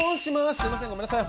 すいませんごめんなさい。